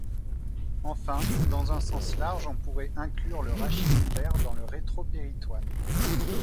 Enfin, dans un sens large on pourrait inclure le rachis lombaire dans le rétropéritoine.